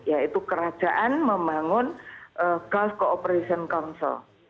yaitu kerajaan membangun gulf cooperation council